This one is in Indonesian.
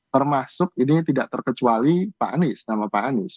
termasuk ini tidak terkecuali pak anies nama pak anies